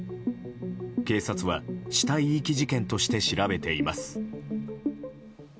警察は、死体遺棄事件として調べています。